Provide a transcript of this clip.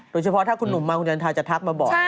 โดยเฉพาะถ้าคุณหนุ่มมาคุณจันทาจะทักมาบอก